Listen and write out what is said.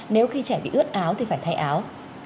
nếu khi trẻ bị ướt áo thì phải thay áo